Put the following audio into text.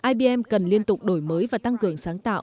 ibm cần liên tục đổi mới và tăng cường sáng tạo